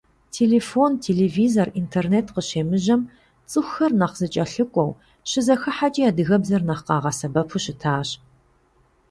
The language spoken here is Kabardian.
Телефон, телевизор, интернет къыщемыжьэм, цӀыхухэр нэхъ зэкӀэлъыкӀуэу, щызэхыхьэкӀи адыгэбзэр нэхъ къагъэсэбэпу щытащ.